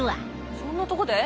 そんなとこで？